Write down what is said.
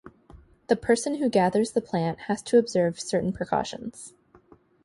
The person who gathers the plant has to observe certain precautions.